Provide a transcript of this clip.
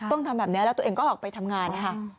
ต้องทำแบบนี้แล้วตัวเองก็ออกไปทำงานนะคะ